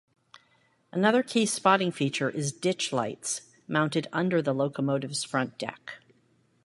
Another key spotting feature is ditchlights mounted under the locomotive's front deck.